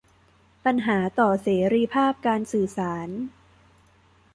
ปัญหาต่อเสรีภาพการสื่อสาร